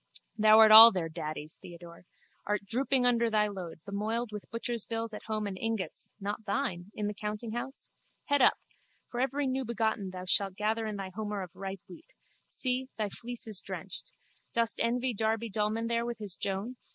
Thou art all their daddies, Theodore. Art drooping under thy load, bemoiled with butcher's bills at home and ingots (not thine!) in the countinghouse? Head up! For every newbegotten thou shalt gather thy homer of ripe wheat. See, thy fleece is drenched. Dost envy Darby Dullman there with his Joan?